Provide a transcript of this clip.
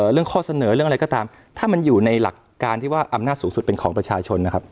เรื่องข้อเสนอเรื่องอะไรก็ตามถ้ามันอยู่ในหลักการที่ว่าอำนาจสูงสุดเป็นของประชาชนนะครับ